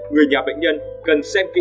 người nhà bệnh nhân cần xem kỹ